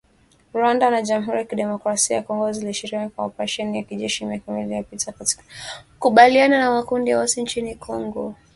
Rwanda na Jamhuri ya kidemokrasia ya Kongo zilishirikiana katika operesheni ya kijeshi miaka miwili iliyopita katika kukabiliana na makundi ya waasi nchini Kongo.